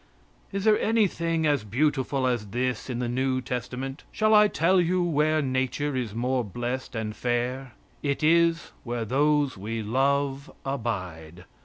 Is there anything as beautiful as this in the new testament: "Shall I tell you where nature is more blest and fair? It is where those we love abide.